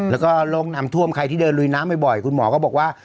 แล้วก็โรคน้ำท่วมใครที่เดินลุยน้ำบ่อยคุณหมอก็บอกว่า